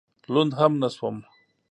لوند هم نه شوم.